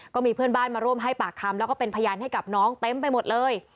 ก็มีเพื่อนบ้านมาร่วมให้ปากคำแล้วก็เป็นพยานให้กับน้องเต็มไปหมดเลย